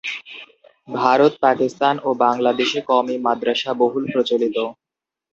ভারত, পাকিস্তান ও বাংলাদেশে কওমি মাদ্রাসা বহুল প্রচলিত।